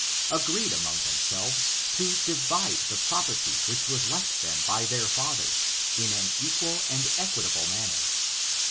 71 agreed among themselves to divide the property which was left them by their father, in an equal and equitable manner.